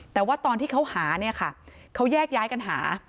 แต่ว่าตอนที่เขาหาเนี่ยค่ะเขาแยกย้ายกันหา